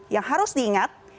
yang harus diingat